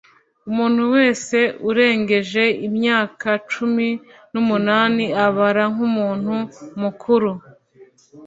Umuntu wese urengeje imyaka cumi n'umunani abara nkumuntu mukuru